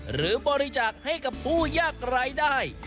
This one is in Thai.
หรือบริจาคให้กับผู้ยากรายได้